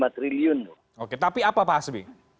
empat triliun oke tapi apa pak hasbi